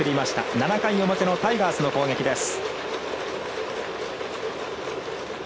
７回表のタイガースの攻撃です。